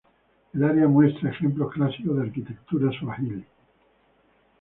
El área muestra ejemplos clásicos de arquitectura swahili.